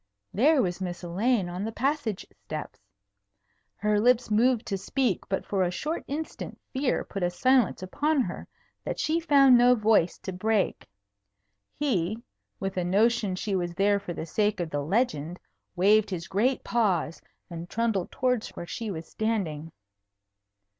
There was Miss Elaine on the passage steps. Her lips moved to speak, but for a short instant fear put a silence upon her that she found no voice to break. He, with a notion she was there for the sake of the legend, waved his great paws and trundled towards where she was standing.